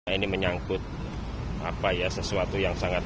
ini menyangkut sesuatu yang sangat